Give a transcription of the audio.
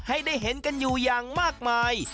ให้ได้เห็นกันอยู่อย่างมากมาย